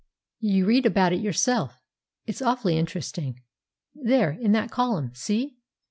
"You read about it yourself; it's awfully interesting. There; in that column—see?